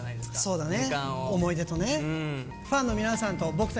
そうだね。